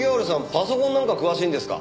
パソコンなんか詳しいんですか？